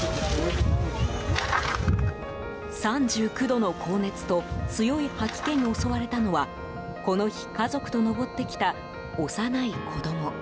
３９度の高熱と強い吐き気に襲われたのはこの日、家族と登ってきた幼い子供。